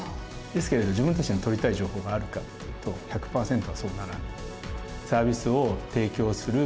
ですけれど自分たちの取りたい情報があるかっていうと１００％はそうならない。